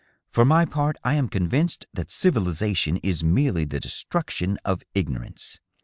For my part, I am convinced that civilization is merely the destruction of ignorance."